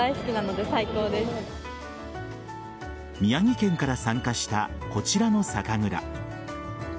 宮城県から参加したこちらの酒蔵。